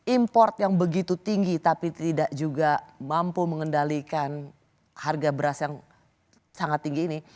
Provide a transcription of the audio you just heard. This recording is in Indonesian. import yang begitu tinggi tapi tidak juga mampu mengendalikan harga beras yang sangat tinggi ini